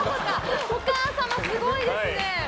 お母様すごいですね！